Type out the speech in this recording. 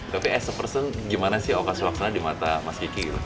tapi sebagai orang bagaimana sih oka selaksana di mata mas giki